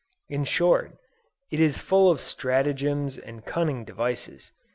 in short, it is full of stratagems and cunning devices.